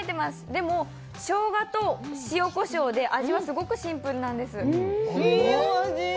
でも、ショウガと塩、こしょうで、味はすごくシンプルなんです。